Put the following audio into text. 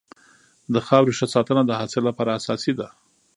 د خاورې ښه ساتنه د حاصل لپاره اساسي ده.